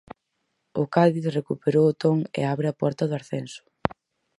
O Cádiz recuperou o ton e abre a porta do ascenso.